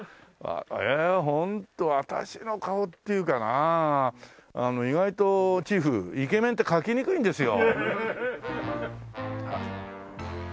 ええホント私の顔っていうかな意外とチーフイケメンって描きにくいんですよ。